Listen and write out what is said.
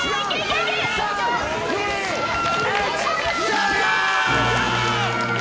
やったー！